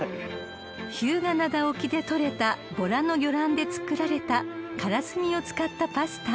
［日向灘沖で取れたボラの魚卵で作られたからすみを使ったパスタ］